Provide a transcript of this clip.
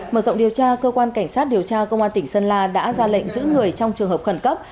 mở rộng điều tra cơ quan cảnh sát điều tra công an tỉnh sơn la đã ra lệnh giữ người trong trường hợp khẩn cấp